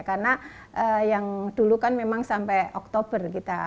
karena yang dulu kan memang sampai oktober kita